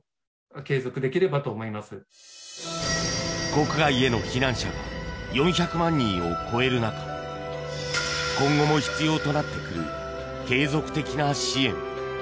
国外への避難者が４００万人を超える中今後も必要となってくる継続的な支援。